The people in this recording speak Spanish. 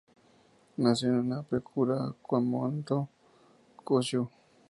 Nació en la Prefectura de Kumamoto, Kyūshū.